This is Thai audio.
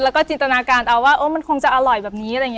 แล้วก็จินตนาการเอาว่ามันคงจะอร่อยแบบนี้